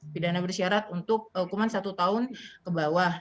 pidana bersyarat untuk hukuman satu tahun ke bawah